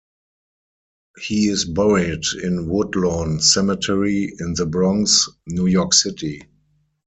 He is buried in Woodlawn Cemetery in The Bronx, New York City.